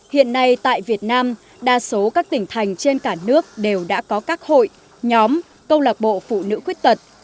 hiện nay tại việt nam đa số các tỉnh thành trên cả nước đều đã có các hội nhóm câu lạc bộ phụ nữ khuyết tật